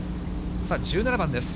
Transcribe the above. さあ、１７番です。